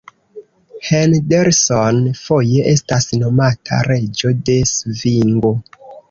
Henderson foje estas nomata „Reĝo de svingo“.